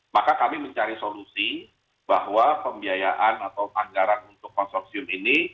maka kami mencari solusi bahwa pembiayaan atau anggaran untuk konsorsium ini